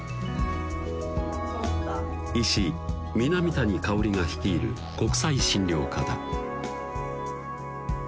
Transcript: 医師・南谷かおりが率いる国際診療科だ